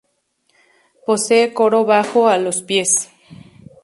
Posee coro bajo, a los pies.